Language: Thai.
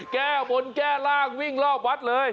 แก้บนแก้ร่างวิ่งรอบวัดเลย